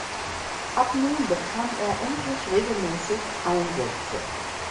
Ab nun bekam er endlich regelmäßig Einsätze.